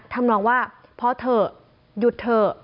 ทำนองว่าพอเถอะหยุดเถอะ